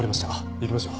行きましょう。